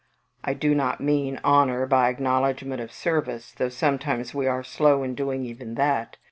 I do not mean honour by acknowledgment of service, though sometimes we are slow in doing even that.